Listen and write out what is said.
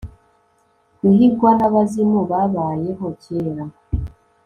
guhigwa nabazimu babayeho kera